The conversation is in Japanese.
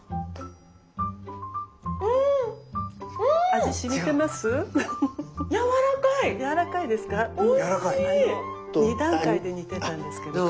あの２段階で煮てたんですけど。